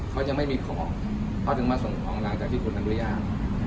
เขายังไม่มีของเขาจึงมาส่งของหลังจากที่คนดรมยาล